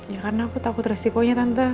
ya karena aku takut resikonya tante